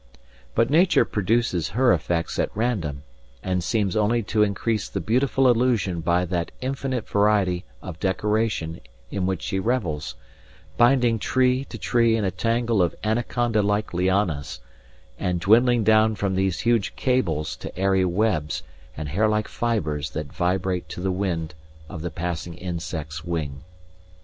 But Nature produces her effects at random, and seems only to increase the beautiful illusion by that infinite variety of decoration in which she revels, binding tree to tree in a tangle of anaconda like lianas, and dwindling down from these huge cables to airy webs and hair like fibres that vibrate to the wind of the passing insect's wing.